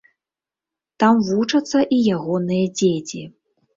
Там вучацца і ягоныя дзеці.